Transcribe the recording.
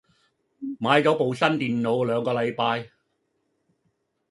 買咗部新電腦兩個禮拜